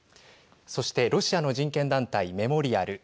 そしてロシアの人権団体メモリアル。